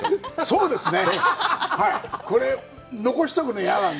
そうですね。